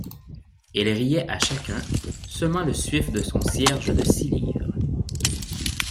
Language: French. Elle riait à chacun, semant le suif de son cierge de six livres.